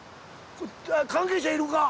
関係者いるか？